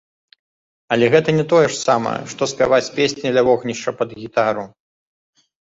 Але гэта не тое ж самае, што спяваць песні ля вогнішча пад гітару!